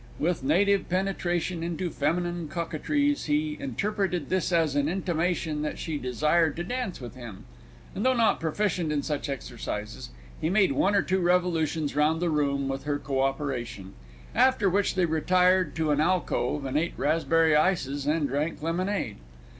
With native penetration into feminine coquetries he interpreted this as an intimation that she desired to dance with him, and, though not proficient in such exercises, he made one or two revolutions round the room with her co operation, after which they retired to an alcove and ate raspberry ices and drank lemonade.